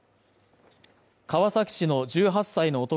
川崎市の１８歳の男